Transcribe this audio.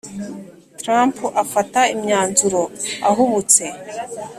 trump afata imyanzuro ahubutse